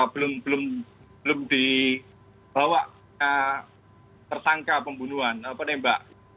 belum dibawa tersangka penembak